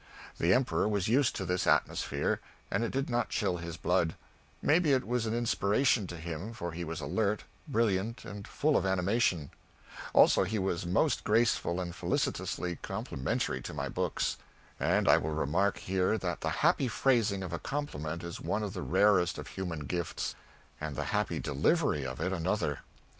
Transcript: The Emperor was used to this atmosphere, and it did not chill his blood; maybe it was an inspiration to him, for he was alert, brilliant and full of animation; also he was most gracefully and felicitously complimentary to my books, and I will remark here that the happy phrasing of a compliment is one of the rarest of human gifts, and the happy delivery of it another.